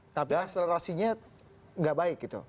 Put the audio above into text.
tapi akselerasinya nggak baik gitu